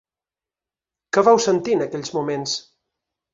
Què vau sentir en aquells moments?